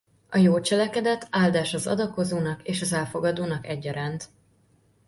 A jó cselekedet áldás az adakozónak és az elfogadónak egyaránt.